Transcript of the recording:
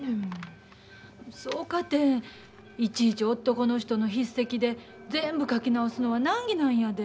そうかていちいち男の人の筆跡で全部書き直すのは難儀なんやで。